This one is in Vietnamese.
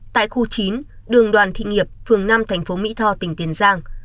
tại khu chín đường đoàn thị nghiệp phường năm thành phố mỹ tho tỉnh tiền giang